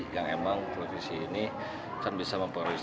yang memang televisi ini kan bisa memperoleh saluran